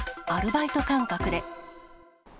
アルバイト感覚で。